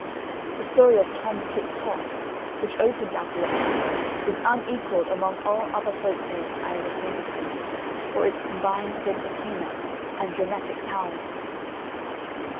The story of Tom Tit Tot, which opens our collection, is unequalled among all other folk tales I am acquainted with, for its combined sense of humour and dramatic power.